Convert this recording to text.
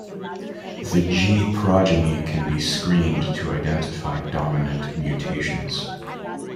The G progeny can be screened to identify dominant mutations.